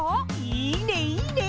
いいねいいね！